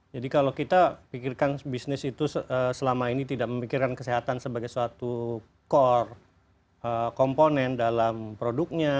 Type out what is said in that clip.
jadi kalau kita pikirkan bisnis itu selama ini tidak memikirkan kesehatan sebagai suatu core komponen dalam produknya